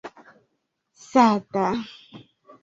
sata